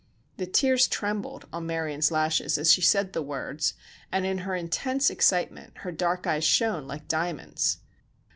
The tears trembled on Marion's lashes as she said the words, and in her intense excitement her dark eyes shone like diamonds.